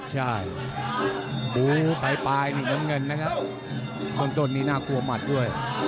ใช่ดูปลายนั่งเงินตัวนี้น่ากลัวก่อนมัดด้วย